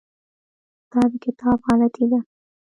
دا د کاتب غلطي ده.